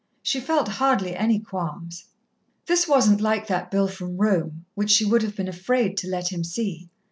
She felt hardly any qualms. This wasn't like that bill from Rome, which she would have been afraid to let him see.